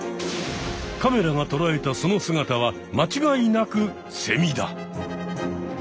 カメラがとらえたその姿は間違いなくセミだ！